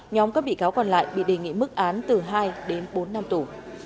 nhóm các bị cáo còn lại bị đề nghị mức án từ hai đến bốn năm tù